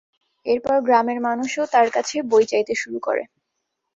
এরপর গ্রামের মানুষও তার কাছে বই চাইতে শুরু করে।